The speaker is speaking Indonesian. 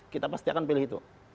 kita pasti akan pilih itu